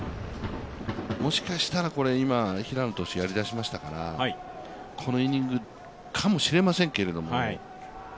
もしかしたら、平野投手、やり出しましたからこのイニングかもしれませんけれども。